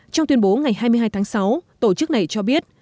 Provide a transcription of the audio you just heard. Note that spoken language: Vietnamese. trong tuyên bố ngày hai mươi hai tháng sáu tổ chức này cho biết